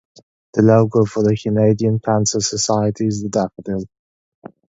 The logo for the Canadian Cancer Society is the daffodil.